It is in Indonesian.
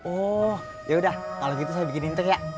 oh yaudah kalo gitu saya bikin inter ya